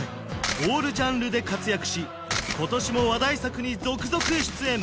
オールジャンルで活躍し今年も話題作に続々出演！